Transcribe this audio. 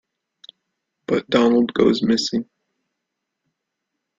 But Donald goes missing.